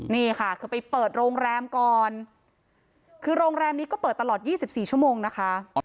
นี่ค่ะคือไปเปิดโรงแรมก่อนคือโรงแรมนี้ก็เปิดตลอด๒๔ชั่วโมงนะคะ